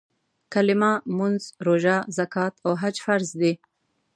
کلیمه، مونځ، روژه، زکات او حج فرض دي.